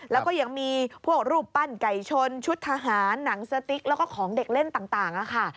แล้วก็ยังมีพวกรูปปั้นไก่ชนชุดทหารหนังสติ๊กแล้วก็ของเด็กเล่นต่างค่ะ